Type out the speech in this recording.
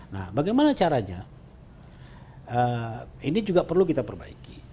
nah bagaimana caranya ini juga perlu kita perbaiki